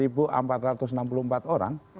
itu dapat kita